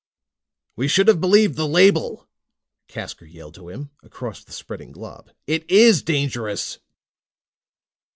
"We should have believed the label!" Casker yelled to him, across the spreading glob. "It is dangerous!"